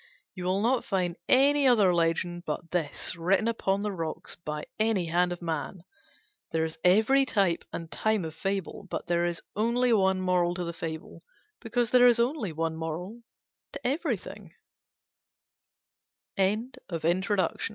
You will not find any other legend but this written upon the rocks by any hand of man. There is every type and time of fable: but there is only one moral to the fable; because there is only one moral to everything_. G.